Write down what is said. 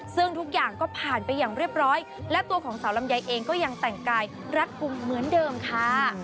ซึ่งทุกอย่างก็ผ่านไปอย่างเรียบร้อยและตัวของสาวลำไยเองก็ยังแต่งกายรัดกลุ่มเหมือนเดิมค่ะ